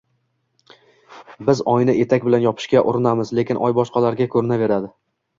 Biz oyni etak bilan yopishga urinamiz, lekin oy boshqalarga ko‘rinaveradi.